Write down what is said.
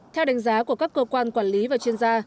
theo đánh giá của các cơ quan quản lý và chuyên gia